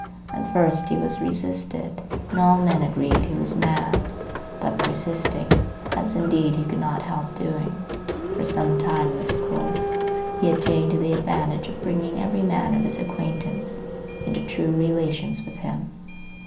At first he was resisted, and all men agreed he was mad. But persisting—as indeed he could not help doing—for some time in this course, he attained to the advantage of bringing every man of his acquaintance into true relations with him.